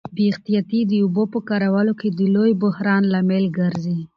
بې احتیاطي د اوبو په کارولو کي د لوی بحران لامل ګرځي.